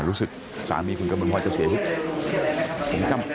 รู้สึกศาลมีคุณกำลังพ่อจะเสียชิบ